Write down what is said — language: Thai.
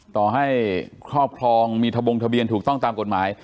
ต่อให้ครอบครองมีทะบงทะเบียนถูกต้องตามกฎหมาย